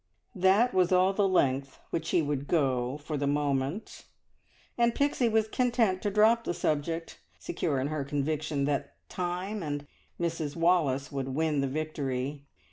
That was all the length which he would go for the moment, and Pixie was content to drop the subject, secure in her conviction that time and Mrs Wallace would win the victory.